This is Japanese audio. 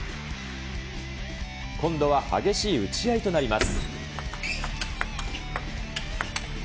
今度は激しい打ち合いとなります。